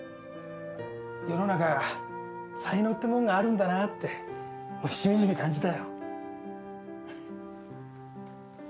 世の中才能ってもんがあるんだなってしみじみ感じたよ。